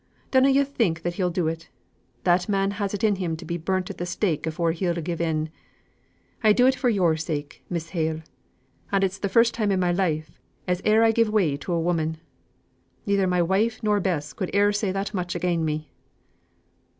Dunna yo' think that he'll do it. That man has it in him to be burnt at the stake afore he'll give in. I'll do it for yo'r sake, Miss Hale, and it's first time in my life as e'er I give way to a woman. Neither my wife nor Bess could e'er say that much again me."